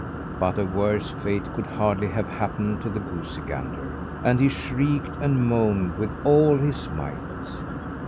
But a worse fate could hardly have happened to the goosey gander, and he shrieked and moaned with all his might.